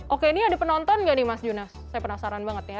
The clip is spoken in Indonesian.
oke ini ada penonton nggak nih mas junas saya penasaran banget ya